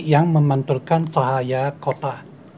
yang memantulkan cahaya kota